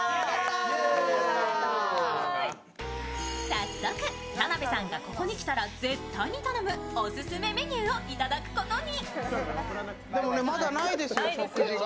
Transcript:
早速、田辺さんがここに来たら絶対に頼むオススメメニューをいただくことに。